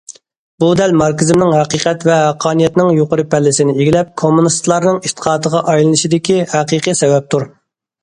بۇ دەل ماركسىزمنىڭ ھەقىقەت ۋە ھەققانىيەتنىڭ يۇقىرى پەللىسىنى ئىگىلەپ، كوممۇنىستلارنىڭ ئېتىقادىغا ئايلىنىشىدىكى ھەقىقىي سەۋەبتۇر.